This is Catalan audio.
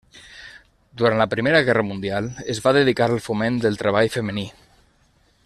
Durant la Primera Guerra Mundial es va dedicar al foment del treball femení.